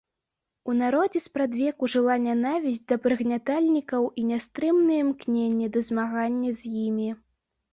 У народзе спрадвеку жыла нянавісць да прыгнятальнікаў і нястрымнае імкненне да змагання з імі.